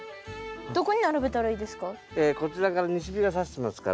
どこに並べたらいいですか？